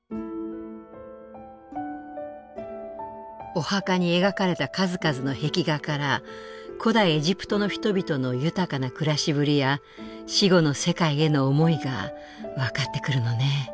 お墓に描かれた数々の壁画から古代エジプトの人々の豊かな暮らしぶりや死後の世界への思いが分かってくるのね。